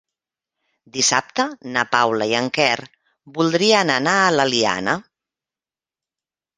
Dissabte na Paula i en Quer voldrien anar a l'Eliana.